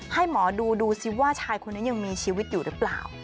ให้หมอดูดูสิว่าชายคนนั้นยังมีชีวิตอยู่หรือเปล่า